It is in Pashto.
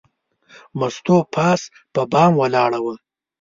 مستو پاس په بام ولاړه وه.